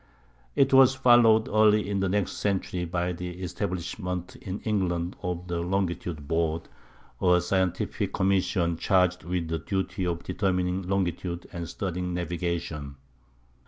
It was followed early in the next century by the establishment in England of the Longitude Board, a scientific commission charged with the duty of determining longitudes and studying navigation.